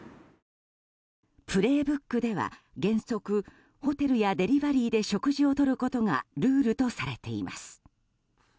「プレイブック」では原則、ホテルやデリバリーで食事をとることがルールとされています。